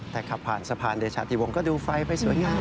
แต่ขับผ่านสะพานเดชาติวงก็ดูไฟไปสวยงาม